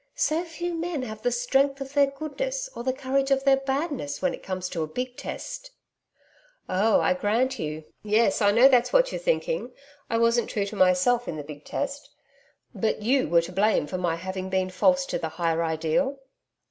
So few men have the strength of their goodness or the courage of their badness, when it comes to a big test.' 'Oh! I grant you. Yes; I know that's what you're thinking. I wasn't true to myself in the big test.... But YOU were to blame for my having been false to the higher ideal.'